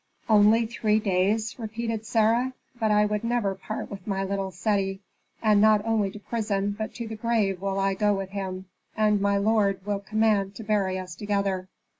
"Only three days?" repeated Sarah. "But I would never part with my little Seti; and not only to prison, but to the grave will I go with him, and my lord will command to bury us together."